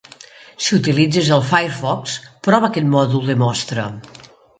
Si utilitzes el Firefox, prova aquest mòdul de mostra.